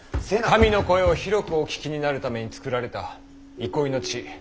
民の声を広くお聴きになるために作られた憩いの地。